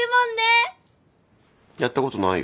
やったことないよ。